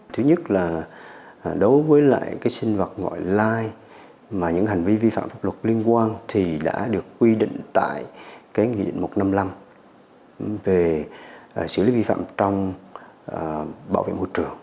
thứ nhất là đối với lại cái sinh vật gọi lai mà những hành vi vi phạm pháp luật liên quan thì đã được quy định tại cái nghị định một trăm năm mươi năm về xử lý vi phạm trong bảo vệ môi trường